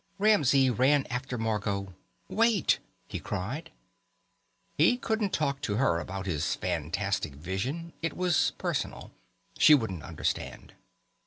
Ramsey ran after Margot. "Wait!" he cried. He couldn't talk to her about his fantastic vision. It was personal. She wouldn't understand.